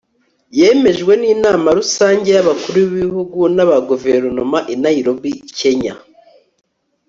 yemejwe n'inama rusange ya y'abakuru b'ibihugu n'aba guverinoma i naïrobi (kenya)